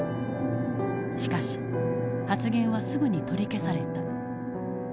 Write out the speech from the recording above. しかし発言はすぐに取り消された。